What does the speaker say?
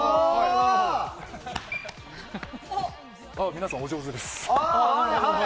皆さん、お上手です。